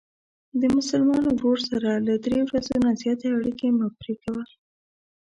د مسلمان ورور سره له درې ورځو نه زیاتې اړیکې مه پری کوه.